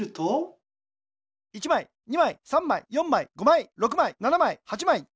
１まい２まい３まい４まい５まい６まい７まい８まい。